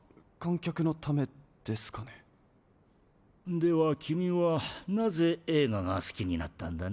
ではキミはなぜえいががすきになったんだね？